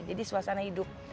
jadi suasana hidup